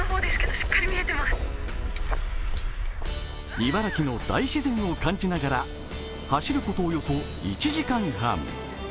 茨城の大自然を感じながら走ることおよそ１時間半。